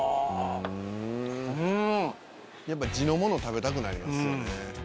「やっぱ地のもの食べたくなりますよね」